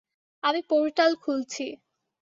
আমি পোর্টাল খুলছি।